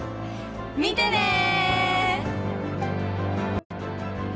見てねー！